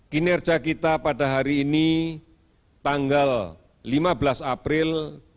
kinerja kita pada hari ini tanggal lima belas april dua ribu dua puluh